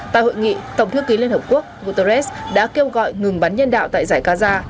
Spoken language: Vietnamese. tại hội nghị tổng thư ký liên hợp quốc guterres đã kêu gọi ngừng bắn nhân đạo tại giải gaza